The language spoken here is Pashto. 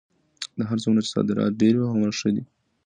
هر څومره چې صادرات ډېر وي هغومره ښه ده.